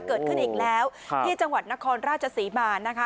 เกิดขึ้นอีกแล้วที่จังหวัดนครราชศรีมานะคะ